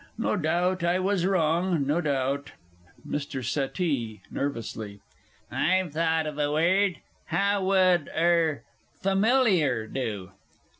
No doubt I was wrong; no doubt. MR. SETTEE. I've thought of a word. How would er "Familiar" do?